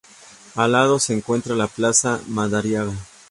Al lado se encuentra la plaza Madariaga.